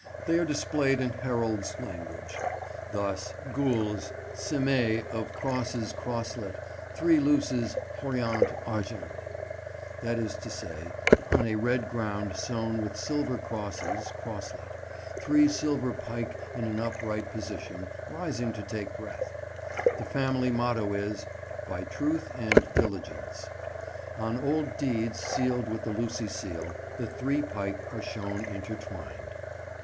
They are displayed, in herald's language, thus: "gules, semée of crosses crosslet, three luces hauriant argent;" that is to say, on a red ground sown with silver crosses crosslet, three silver pike in an upright position, rising to take breath. The family motto is "By truth and diligence." On old deeds sealed with the Lucy seal the three pike are shown intertwined.